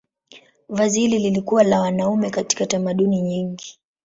Vazi hili lilikuwa la wanaume katika tamaduni nyingi.